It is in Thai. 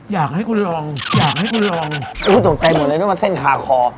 อยากให้กูลองอยากให้กูลองอุ้ยหนูใจหมดเลยนึกว่าเส้นทาคอ